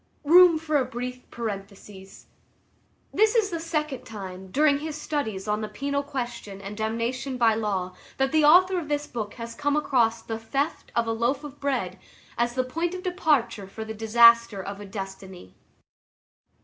Room for a brief parenthesis. This is the second time, during his studies on the penal question and damnation by law, that the author of this book has come across the theft of a loaf of bread as the point of departure for the disaster of a destiny.